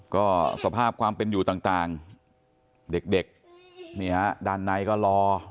ก็สภาพความเป็นอยู่ต่างเด็กนี่ฮะด้านในก็รอ